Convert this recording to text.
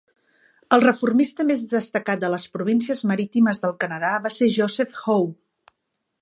El reformista més destacats de les Províncies Marítimes del Canadà va ser Joseph Howe.